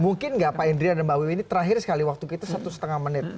mungkin nggak pak indri dan mbak wiwi ini terakhir sekali waktu kita satu setengah menit